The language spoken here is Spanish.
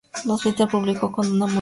Un hospital público con una ambulancia.